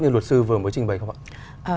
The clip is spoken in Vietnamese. như luật sư vừa mới trình bày không ạ